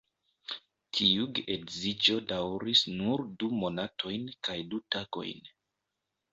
Tiu geedziĝo daŭris nur du monatojn kaj du tagojn.